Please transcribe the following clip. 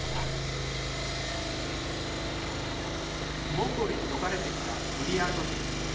モンゴルに逃れてきたブリヤート人。